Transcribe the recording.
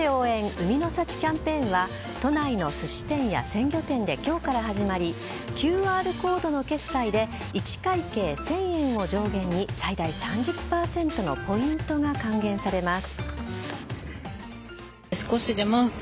海の幸キャンペーンは都内のすし店や鮮魚店で今日から始まりＱＲコードの決済で１会計、１０００円を上限に最大３０％のポイントが還元されます。